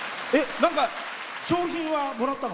なんか賞品はもらったの？